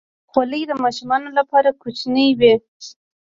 خولۍ د ماشومانو لپاره کوچنۍ وي.